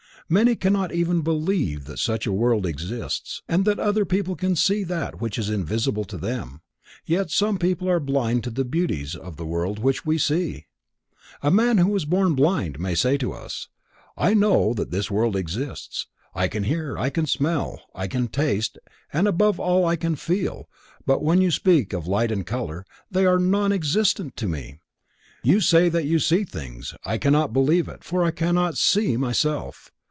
Many cannot even believe that such a world exists, and that other people can see that which is invisible to them, yet some people are blind to the beauties of this world which we see. A man who was born blind, may say to us: I know that this world exists, I can hear, I can smell, I can taste and above all I can feel but when you speak of light and of color, they are nonexistent to me. You say that you see these things, I cannot believe it for I cannot see myself.